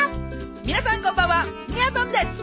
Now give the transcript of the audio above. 皆さんこんばんはみやぞんです！